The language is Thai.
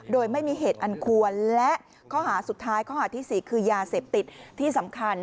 โดยไม่มีเหตุอันควรและข้อหาสุดท้ายข้อหาที่๔คือยาเสพติดที่สำคัญ